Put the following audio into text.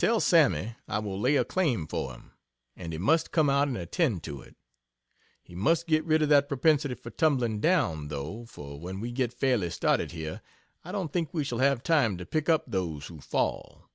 Tell Sammy I will lay a claim for him, and he must come out and attend to it. He must get rid of that propensity for tumbling down, though, for when we get fairly started here, I don't think we shall have time to pick up those who fall.....